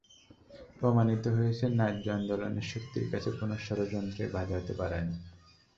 প্রমাণিত হয়েছে, ন্যায্য আন্দোলনের শক্তির কাছে কোনো ষড়যন্ত্রই বাধা হতে পারে না।